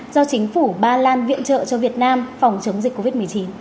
do chính phủ ba lan viện trợ cho việt nam phòng chống dịch covid một mươi chín